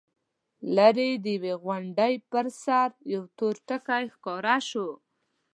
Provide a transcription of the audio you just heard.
ليرې د يوې غونډۍ پر سر يو تور ټکی ښکاره شو.